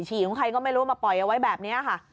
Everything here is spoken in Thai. ฉี่ของใครก็ไม่รู้มาปล่อยเอาไว้แบบนี้ค่ะ